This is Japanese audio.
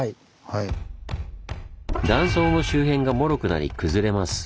断層の周辺がもろくなり崩れます。